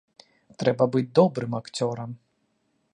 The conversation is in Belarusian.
Трэба быць добрым акцёрам.